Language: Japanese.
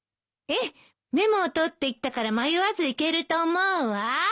メモを取っていったから迷わず行けると思うわ。